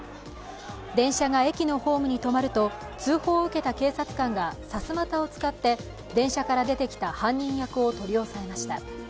電車が駅のホームに停まると、通報を受けた警察官が電車から出てきた犯人役を取り押さえました。